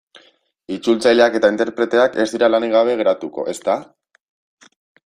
Itzultzaileak eta interpreteak ez dira lanik gabe geratuko, ezta?